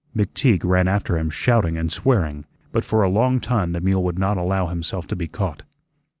McTeague ran after him shouting and swearing, but for a long time the mule would not allow himself to be caught.